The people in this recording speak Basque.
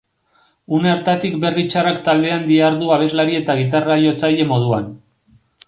Une hartatik Berri Txarrak taldean dihardu abeslari eta gitarra-jotzaile moduan.